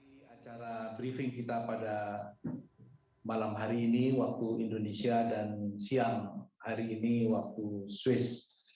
di acara briefing kita pada malam hari ini waktu indonesia dan siang hari ini waktu swiss